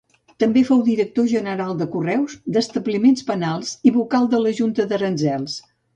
També fou director general de Correus, d'Establiments Penals i vocal de la Junta d'Aranzels.